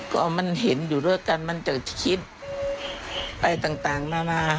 ก็มันเห็นอยู่ด้วยกันมันจะคิดไปต่างนานา